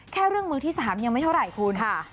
แค่เรื่องมือที่๓ยังไม่เท่าไหร่คุณ